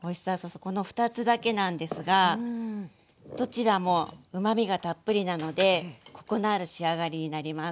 この２つだけなんですがどちらもうまみがたっぷりなのでコクのある仕上がりになります。